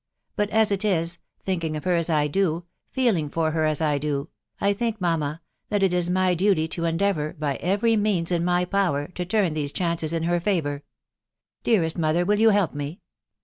But as it is, — thinking of her as I do, feeling for her as I do, — I think, mamma, that it is my duty to en deavour, by every means in my power, to turn these chances in her favour. Dearest mother, will you help me?"